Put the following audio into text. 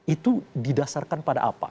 itu didasarkan pada apa